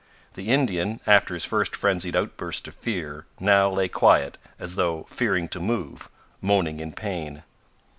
The Indian, after his first frenzied outburst of fear, now lay quiet, as though fearing to move, moaning in pain.